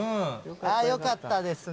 よかったですね。